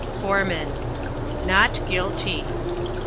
Foreman. "NOT GUILTY."